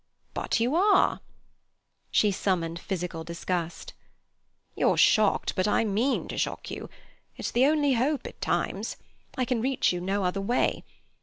"But you are." She summoned physical disgust. "You're shocked, but I mean to shock you. It's the only hope at times. I can reach you no other way.